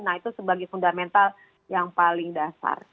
nah itu sebagai fundamental yang paling dasar